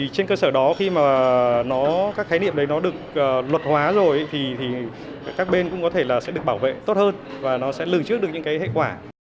trên cơ sở đó khi mà nó các khái niệm đấy nó được luật hóa rồi thì các bên cũng có thể là sẽ được bảo vệ tốt hơn và nó sẽ lường trước được những cái hệ quả